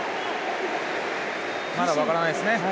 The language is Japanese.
まだ分からないですね。